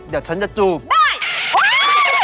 เดี๋ยวฉันจะจูบได้